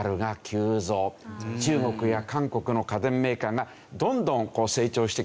中国や韓国の家電メーカーがどんどん成長してきた。